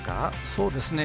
そうですね。